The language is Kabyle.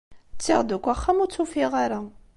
Ttiɣ-d akk axxam, ur tt-ufiɣ ara.